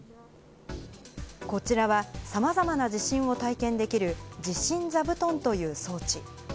こちらは、さまざまな地震を体験できる地震座布団という装置。